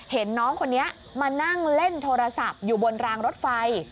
เห็นน้องคนนี้มานั่งเล่นโทรศัพท์อยู่บนรางรถไฟ